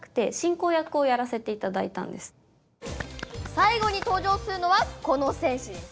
最後に登場するのはこの戦士です。